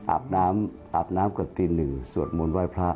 อาบน้ำกับตีหนึ่งสวดมนต์ไว้พระ